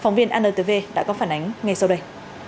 phóng viên antv đã có phản ánh ngay sau đây